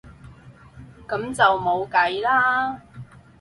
噉就冇計啦